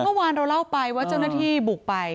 เมื่อวานเราเล่าไปว่าเจ้าหน้าที่บุกไป